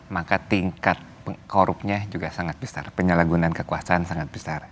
maka tingkat korupnya juga sangat besar penyalahgunaan kekuasaan sangat besar